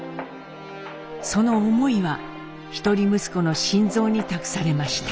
その思いは一人息子の新造に託されました。